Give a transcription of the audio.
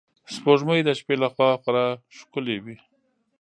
سپوږمۍ د شپې له خوا خورا ښکلی وي